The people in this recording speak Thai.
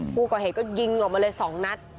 ผู้ก่อเหตุก็ยิงออกมาเลย๒นัด